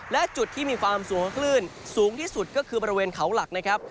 และจุดที่มีความสูงคลื่นสูงที่สุดก็คือบริเวณเขาหลักนะครับ